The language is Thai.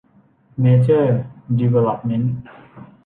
เมเจอร์ ดีเวลลอปเม้นท์